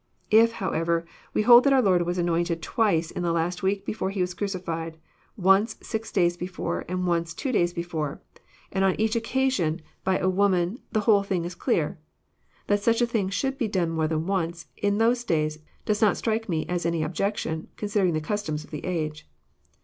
If, however, we hold that onr Lord was anoint ed twice in the last week before He was crucified, once six days " before, and once " two days before, and on each occa sion by a woman, the whole thing is clear. That such a thing should be done more than once, in those days, does not strike me as any objection, considering the customs of the age.